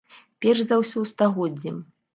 Перш за ўсё, стагоддзем.